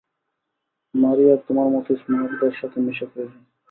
মারিয়ার তোমার মতোই স্মার্টদের সাথে মেশা প্রয়োজন।